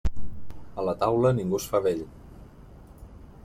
A la taula, ningú es fa vell.